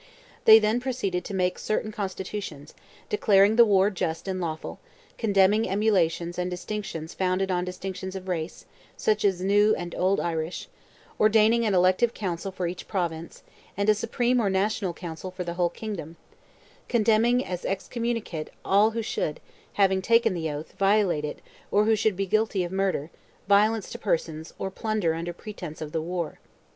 They then proceeded to make certain constitutions, declaring the war just and lawful; condemning emulations and distinctions founded on distinctions of race, such as "new" and "old Irish;" ordaining an elective council for each Province; and a Supreme or National Council for the whole kingdom; condemning as excommunicate all who should, having taken the oath, violate it, or who should be guilty of murder, violence to persons, or plunder under pretence of the war.